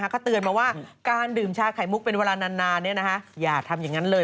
เขาเตือนมาว่าการดื่มชาไข่มุกเป็นเวลานานอย่าทำอย่างนั้นเลย